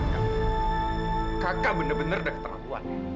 kakak bener bener udah keterlaluan